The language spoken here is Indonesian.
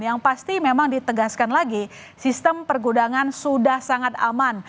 yang pasti memang ditegaskan lagi sistem pergudangan sudah sangat aman